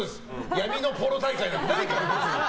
闇のポロ大会なんかないから！